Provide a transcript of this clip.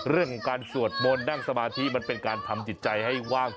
เรื่องของการสวดมนต์นั่งสมาธิมันเป็นการทำจิตใจให้ว่าง